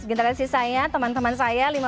generasi saya teman teman saya